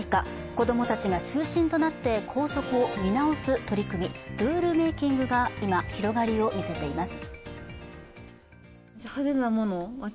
子どもたちが中心となって校則を見直す取り組み、ルールメイキングが今、広がりを見せています。